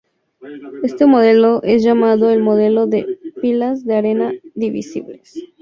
Este modelo es llamado el modelo de Pilas de Arena Divisibles.